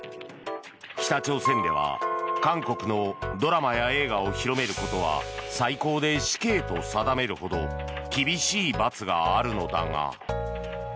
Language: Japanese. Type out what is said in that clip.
北朝鮮では韓国のドラマや映画を広めることは最高で死刑と定めるほど厳しい罰があるのだが。